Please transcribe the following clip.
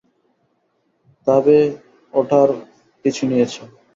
তা ও বে ওটার পিছু নিয়েছে।